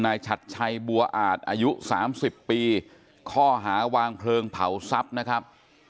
นายชัดชัยบัวอาจอายุสามสิบปีข้อหาวางเคริงเผาทรัพย์นะครับ